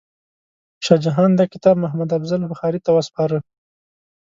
شاه جهان دا کتاب محمد افضل بخاري ته وسپاره.